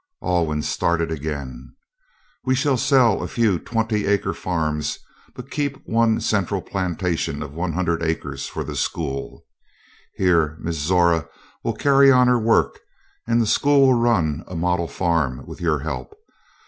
Alwyn started again: "We shall sell a few twenty acre farms but keep one central plantation of one hundred acres for the school. Here Miss Zora will carry on her work and the school will run a model farm with your help.